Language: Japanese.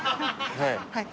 はい。